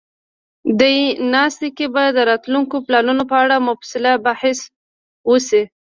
دې ناسته کې به د راتلونکو پلانونو په اړه مفصل بحث وشي.